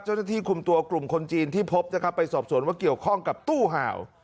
เจ้าหน้าที่คุมตัวกลุ่มคนจีนที่พบนะครับไปสอบสวนว่าเกี่ยวข้องกับตู้ห่าว